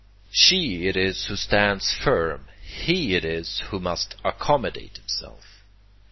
She it is who stands firm; he it is who must accommodate himself.